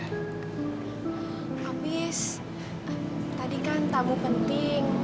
habis tadi kan tabu penting